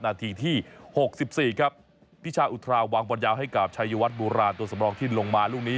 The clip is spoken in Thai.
นาทีที่๖๔ครับพิชาอุทราวางบอลยาวให้กับชายวัดโบราณตัวสำรองที่ลงมาลูกนี้